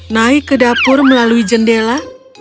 naik ke dapur melalui jendela